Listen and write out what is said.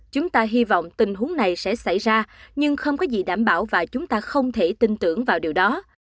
chúng ta hy vọng tình huống này sẽ xảy ra nhưng không có gì đảm bảo và chúng ta không thể tin tưởng vào điều đó